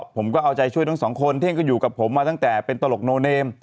ผมก็เอาใจช่วยทั้งสองคนซึ่งก็อยู่กับผมมาตั้งแต่เป็นตลกโนเนม